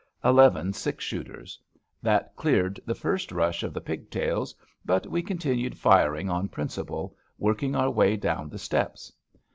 Eleven six shooters. That cleared the first rush of the pigtails, but we con tinued firing on principle, working our way down the steps.